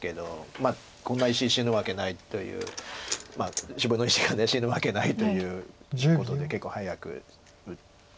まあこんな石死ぬわけないという自分の石が死ぬわけないということで結構早く打って。